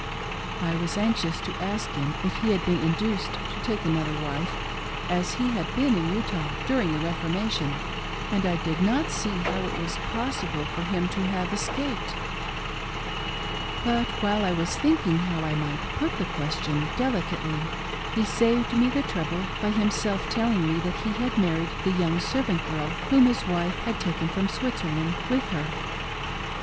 I was anxious to ask him if he had been induced to take another wife, as he had been in Utah during the " Reforma tion," and I did not see how it was possible for him to have escaped ; but while I was thinking how I might put the ques tion delicately, he saved me the trouble by himself telling me that he had married the young servant girl whom his wife had taken from Switzerland with her.